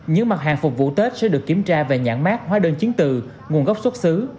những mặt hàng phục vụ tết sẽ được kiểm tra về nhãn mát hóa đơn chứng từ nguồn gốc xuất xứ